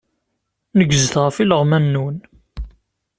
Negzet ɣef ileɣman-nwen.